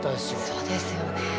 そうですよね。